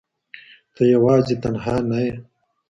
ته یوازی تنها نه یې